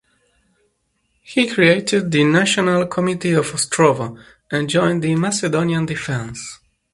He created the "National Committee of Ostrovo" and joined the "Macedonian Defense".